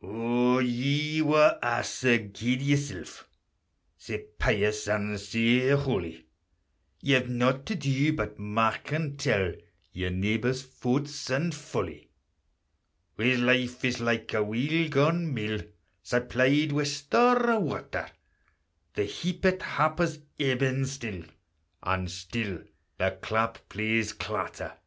O ye wha are sae guid yoursel', Sae pious and sae holy, Ye've nought to do but mark and tell Your neebor's fauts and folly: Whase life is like a weel gaun mill, Supplied wi' store o' water. The heapèt happer's ebbing still, And still the clap plays clatter.